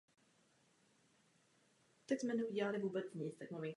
Poté se vrátil do Německa a byl profesorem na Humboldtově univerzitě v Berlíně.